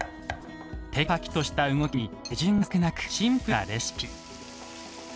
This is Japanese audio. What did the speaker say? てきぱきとした動きに手順が少なくシンプルなレシピ。